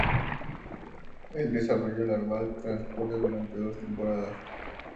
El desarrollo larval transcurre durante dos temporadas.